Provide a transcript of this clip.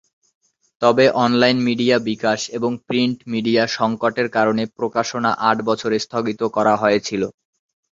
তবে online media বিকাশ এবং প্রিন্ট মিডিয়া সংকটের কারণে প্রকাশনা আট বছর স্থগিত করা হয়েছিল।